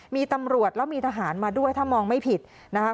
มีตำรวจแล้วมีทหารมาด้วยถ้ามองไม่ผิดนะครับ